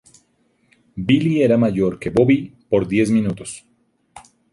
Billy era mayor que Bobby por diez minutos.